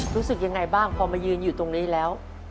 รู้สึกยังไงบ้างพอมายืนอยู่ตรงนี้แล้ว